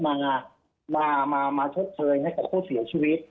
มามามามาเสียชีวิต